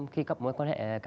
khi cập mối quan hệ